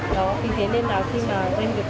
đó như thế nên là khi mà doanh nghiệp việt nam